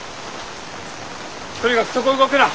とにかくそこを動くな。